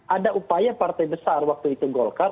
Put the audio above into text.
ada upaya partai besar waktu itu golkar